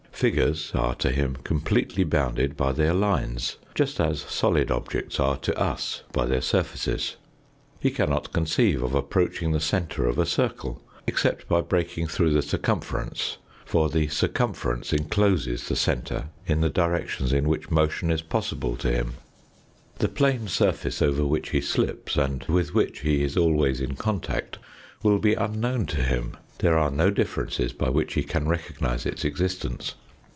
Figures are to him completely bounded by their lines, just as solid objects are to us by their surfaces. He cannot conceive of approaching the centre of a circle, except by breaking through the circumference, for the circumference encloses the centre in the directions in which motion is possible to THE ANALOGY OF A PLANE WOELD 7 him. The plane surface over which he slips and with which he is always in contact will be unknown to him ; there are no differences by which he can recognise its existence.